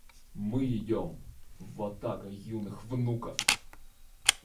Мы идем — ватага юных внуков!